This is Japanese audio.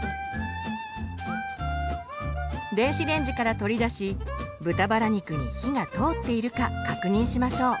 電子レンジから取り出し豚バラ肉に火が通っているか確認しましょう。